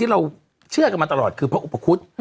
เราเชื่อกันมาตลอดคือพระอุปคุฎ